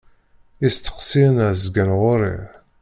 Isteqsiyen-a zgan ɣur-i.